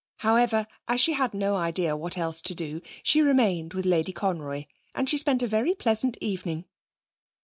However, as she had no idea what else to do, she remained with Lady Conroy. And she spent a very pleasant evening.